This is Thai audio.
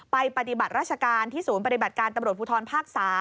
ปฏิบัติราชการที่ศูนย์ปฏิบัติการตำรวจภูทรภาค๓